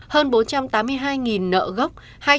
hơn bốn trăm tám mươi hai nợ gốc